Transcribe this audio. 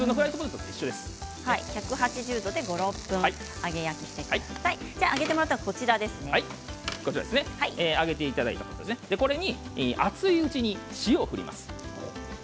１８０度で５、６分揚げていただいたポテトに熱いうちに塩を振ります。